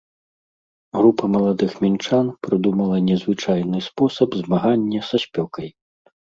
Група маладых мінчан прыдумала незвычайны спосаб змагання са спёкай.